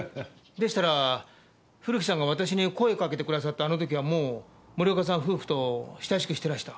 でしたら古木さんが私に声をかけてくださったあの時はもう森岡さん夫婦と親しくしてらした。